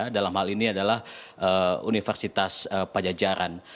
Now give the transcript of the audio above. dalam hal ini adalah universitas pajajaran